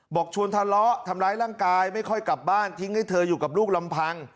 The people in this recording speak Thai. บอกชวนทะเลาะทำร้ายร่างกายไม่ค่อยกลับบ้านทิ้งให้เธออยู่กับลูกลำพัง